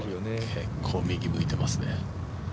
結構右向いてますね。